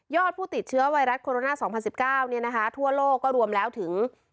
ยอดผู้ติดเชื้อไวรัสโคโรนาสองพันสิบเก้าเนี่ยนะคะทั่วโลกก็รวมแล้วถึง